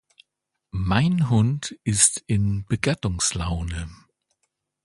Mein Hund ist in Begattungslaune.